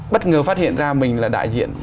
bất ngờ phát hiện ra mình là đại diện